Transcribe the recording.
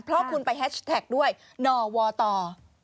เพราะคุณไปแฮชแท็กด้วยนอวอร์ตอร์